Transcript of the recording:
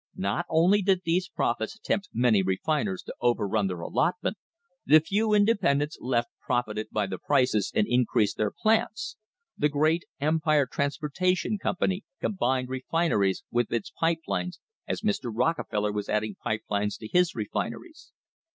Not only did these profits tempt many refiners to overrun their allotment; the few independents left profited by the prices and increased their plants; the great Empire Transportation Company combined refineries with its pipe lines as Mr. Rockefeller was adding pipe lines to his refineries.